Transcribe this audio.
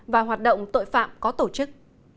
và hoạt động tội phạm có tổ chức